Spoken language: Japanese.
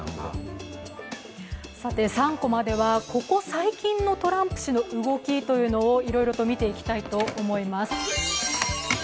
３コマでは、ここ最近のトランプ氏の動きをいろいろと見ていきたいと思います。